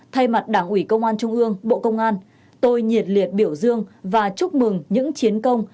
thay mặt đảng ủy công an trung ương bộ công an tôi nhiệt liệt biểu dương và chúc mừng những chiến công